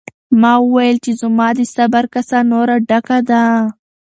ما وویل چې زما د صبر کاسه نوره ډکه ده.